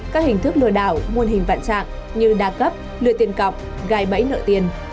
các hình thức lừa đảo nguồn hình vạn trạng như đa cấp lừa tiền cọc gai bẫy nợ tiền